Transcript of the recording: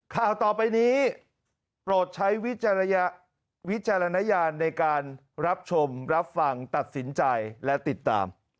ข่าวต่อไปนี้โปรดใช้วิจารณญาณในการรับชมรับฟังตัดสินใจและติดตาม